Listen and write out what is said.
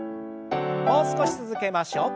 もう少し続けましょう。